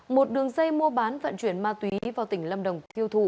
một đường dây mua bán vận chuyển ma túy vào tỉnh lâm đồng thiêu thụ